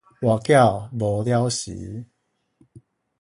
跋筊無了時